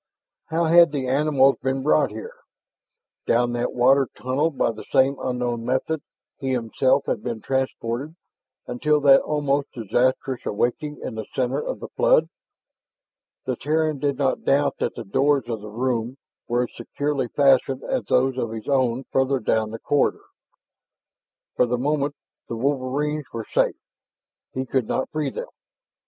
How had the animals been brought here? Down that water tunnel by the same unknown method he himself had been transported until that almost disastrous awakening in the center of the flood? The Terran did not doubt that the doors of the room were as securely fastened as those of his own further down the corridor. For the moment the wolverines were safe; he could not free them.